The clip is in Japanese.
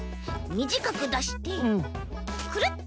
みじかくだしてくるっ！